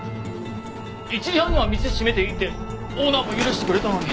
１時半には店閉めていいってオーナーも許してくれたのに。